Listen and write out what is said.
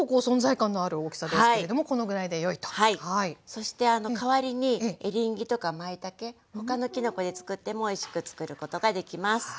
そして代わりにエリンギとかまいたけ他のきのこでつくってもおいしくつくることができます。